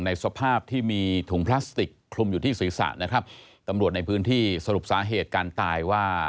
สภาพที่มีถุงพลาสติกคลุมอยู่ที่ศีรษะนะครับตำรวจในพื้นที่สรุปสาเหตุการตายว่า